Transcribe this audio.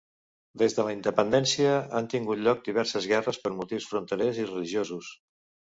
Des de la independència han tingut lloc diverses guerres per motius fronterers i religiosos.